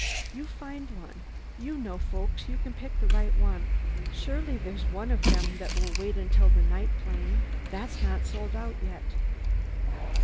You find one. You know folks; you can pick the right one. Surely there's one of them that will wait until the night plane. That's not sold out yet.